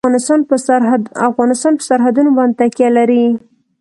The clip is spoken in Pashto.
افغانستان په سرحدونه باندې تکیه لري.